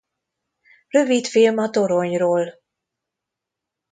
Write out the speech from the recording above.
Rövidfilm a toronyról